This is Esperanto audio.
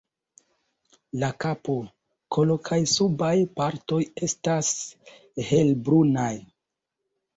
La kapo, kolo kaj subaj partoj estas helbrunaj.